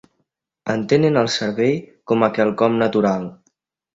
Entenen el servei com quelcom natural.